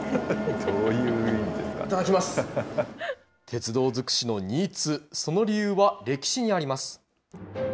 鉄道尽くしの新津、その理由は歴史にあります。